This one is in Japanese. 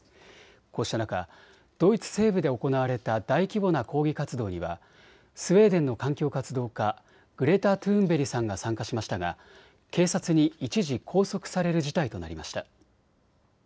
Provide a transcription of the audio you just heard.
こうした中、ドイツ西部で行われた大規模な抗議活動にはスウェーデンの環境活動家、グレタ・トゥーンベリさんが参加しましたが警察に一時拘束される事態となりました。